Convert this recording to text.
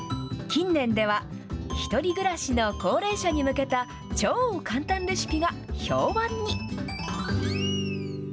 近年では、ひとり暮らしの高齢者に向けた超簡単レシピが評判に。